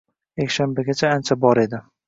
Yakshanbagacha ancha bor edi